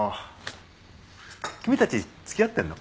君たち付き合ってんの？